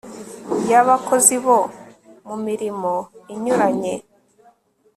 Y ABAKOZI BO MU MIRIMO INYURANYE